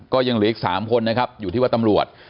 ก็ยังเหลืออีก๓คนนะครับอยู่ที่ว่าตำรวจ